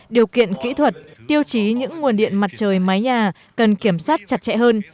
điều kiện kỹ thuật tiêu chí những nguồn điện mặt trời mái nhà cần kiểm soát chặt chẽ hơn